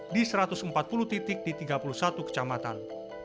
di satu ratus empat puluh titik di tiga puluh satu kecamatan